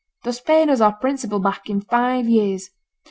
thus paying us our principal back in five years.